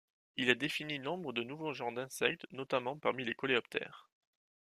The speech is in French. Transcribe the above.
Il a défini nombre de nouveaux genres d'insectes, notamment parmi les coléoptères.